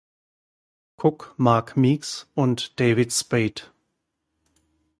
Cook, Marc Meeks und David Spade.